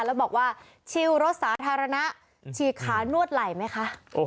แล้วบอกว่าชิลรถสาธารณะฉีกขานวดไหล่ไหมคะ